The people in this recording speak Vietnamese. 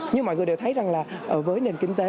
nhưng mọi người đều thấy rằng là với nền kinh tế